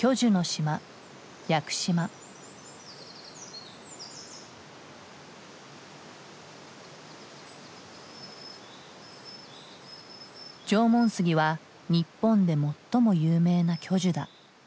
縄文杉は日本で最も有名な巨樹だ。